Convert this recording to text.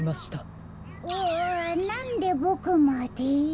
うわなんでボクまで？